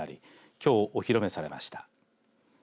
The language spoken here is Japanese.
きょう、お披露目されました。